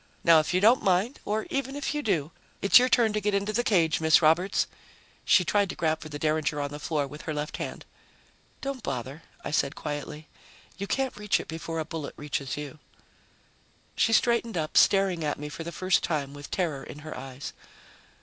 Now if you don't mind or even if you do it's your turn to get into the cage, Miss Roberts." She tried to grab for the derringer on the floor with her left hand. "Don't bother," I said quietly. "You can't reach it before a bullet reaches you." She straightened up, staring at me for the first time with terror in her eyes.